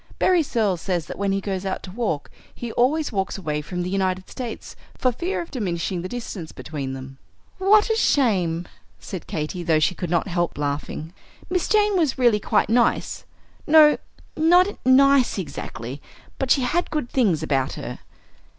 Berry Searles says that when he goes out to walk he always walks away from the United States, for fear of diminishing the distance between them." "What a shame!" said Katy, though she could not help laughing. "Miss Jane was really quite nice, no, not nice exactly, but she had good things about her."